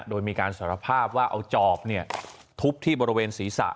โดยมีการสารภาพว่าเอาจอบทุบที่บริเวณศีรษะ